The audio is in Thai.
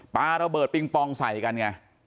ปลาระเบิร์ตปริงปองใสกัน